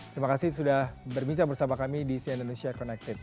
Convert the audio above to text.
terima kasih sudah berbincang bersama kami di si indonesia connected